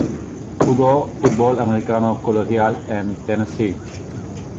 Jugó fútbol americano colegial en Tennessee.